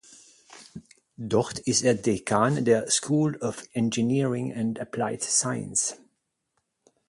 Dort ist er Dekan der School of Engineering and Applied Science.